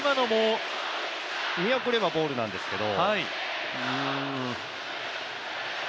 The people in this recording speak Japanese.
見送ればボールなんですけど。